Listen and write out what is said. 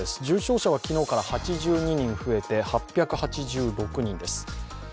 重症者は昨日から８２人増えて８８６人です。